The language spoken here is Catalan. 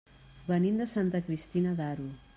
Venim de Santa Cristina d'Aro.